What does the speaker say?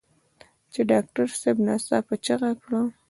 چې ډاکټر صاحب ناڅاپه چيغه کړه.